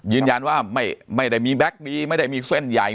ยืนยันว่าไม่ได้มีแก๊กบีไม่ได้มีเส้นใหญ่